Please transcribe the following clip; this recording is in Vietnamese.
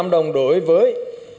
một một trăm linh đồng đối với